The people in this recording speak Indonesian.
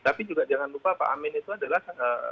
tapi juga jangan lupa pak amin itu adalah